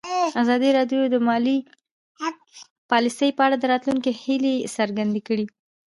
ازادي راډیو د مالي پالیسي په اړه د راتلونکي هیلې څرګندې کړې.